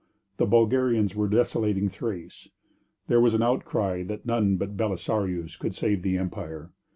The Bulgarians were desolating Thrace. There was an outcry that none but Belisarius could save the Empire.